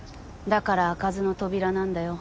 だから開かずの扉なんだよ。